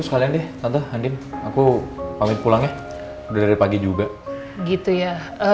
sekalian deh tante handin aku pamit pulangnya udah dari pagi juga gitu ya